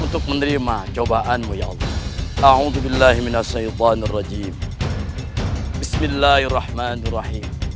untuk menerima cobaanmu ya allah